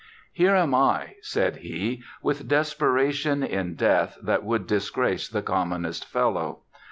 "Here am I," said he, "with desperation in death that would disgrace the commonest fellow.